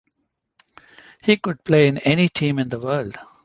He could play in any team in the world.